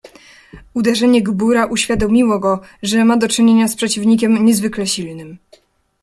"Uderzenie gbura uświadomiło go, że ma do czynienia z przeciwnikiem niezwykle silnym."